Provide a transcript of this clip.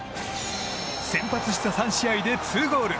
先発した３試合で２ゴール。